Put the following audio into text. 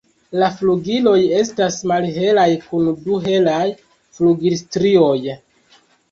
La flugiloj estas malhelaj kun du helaj flugilstrioj.